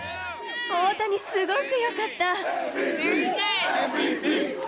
大谷、すごくよかった。